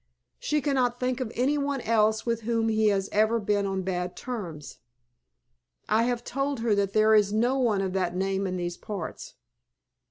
She cannot think of any one else with whom he has ever been on bad terms. I have told her that there is no one of that name in these parts."